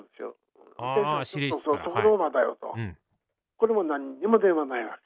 これも何にも電話ないわけ。